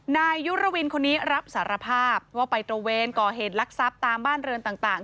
นายยุรวินคนนี้รับสารภาพว่าไปตระเวนก่อเหตุลักษัพตามบ้านเรือนต่าง